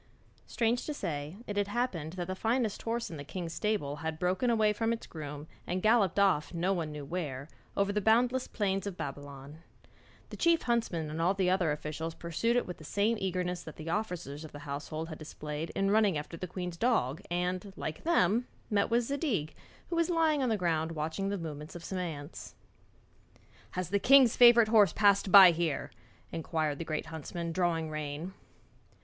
Strange to say, it had happened that the finest horse in the king's stable had broken away from its groom and galloped off no one knew where, over the boundless plains of Babylon. The chief huntsman and all the other officials pursued it with the same eagerness that the officers of the household had displayed in running after the queen's dog and, like them, met with Zadig who was lying on the ground watching the movements of some ants. 'Has the king's favourite horse passed by here?' inquired the great huntsman, drawing rein.